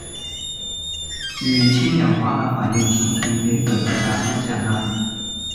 与氢氧化钠反应生成邻苯二甲酸钾钠。